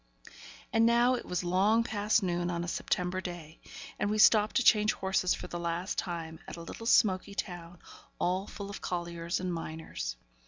And now it was long past noon on a September day, and we stopped to change horses for the last time at a little smoky town, all full of colliers and miners.